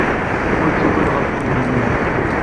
Ur ttagad ɣef uxeddim-nnek.